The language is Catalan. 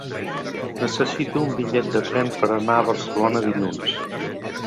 Necessito un bitllet de tren per anar a Barcelona dilluns.